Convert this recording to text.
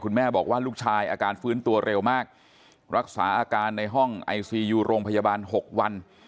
แม่บอกว่าลูกชายอาการฟื้นตัวเร็วมากรักษาอาการในห้องไอซียูโรงพยาบาล๖วัน